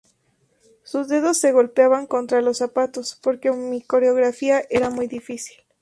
Sus dedos se golpeaban contra los zapatos porque mi coreografía era muy difícil.